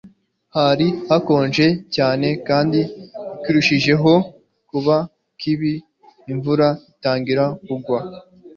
Hari hakonje cyane kandi ikirushijeho kuba kibi imvura itangira kugwa